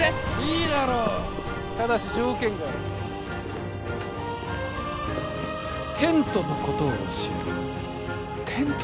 いいだろうただし条件があるテントのことを教えろテント？